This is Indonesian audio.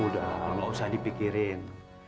udah gak usah dipikirin